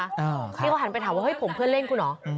เออพี่เขาหันไปถามว่าผมเพื่อนเล่นคุณหรอ